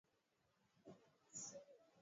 katiba mpya inasema vizuri kwamba eh kuna ile